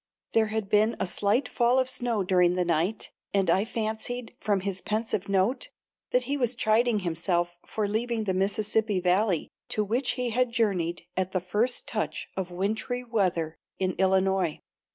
There had been a slight fall of snow during the night, and I fancied, from his pensive note, that he was chiding himself for leaving the Mississippi Valley, to which he had journeyed at the first touch of wintry weather in Illinois.